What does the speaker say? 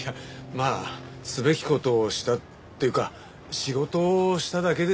まあすべき事をしたっていうか仕事をしただけですよ。